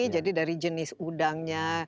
jadi dari jenis udangnya